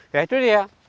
ya itu dia